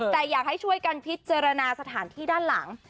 แต่อยากให้ช่วยกันพิจารณาสถานที่ด้านหลัง